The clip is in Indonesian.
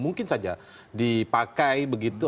mungkin saja dipakai begitu